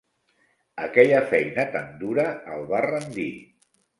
Aquella feina tan dura el va rendir.